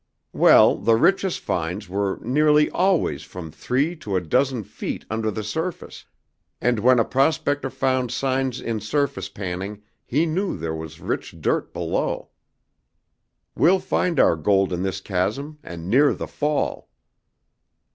"Well, the richest finds were nearly always from three to a dozen feet under the surface, and when a prospector found signs in surface panning he knew there was rich dirt below. We'll find our gold in this chasm, and near the fall!"